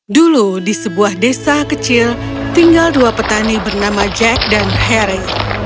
dulu di sebuah desa kecil tinggal dua petani bernama jack dan harry